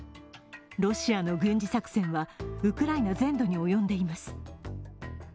ロシアの軍事作戦は、ウクライナ全土に及んでいます。